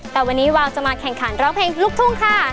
แต่วันนี้วาวจะมาแข่งขันร้องเพลงลูกทุ่งค่ะ